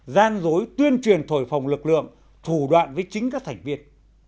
gian dối tuyên truyền thổi phòng lực lượng thủ đoạn với chính các thành viên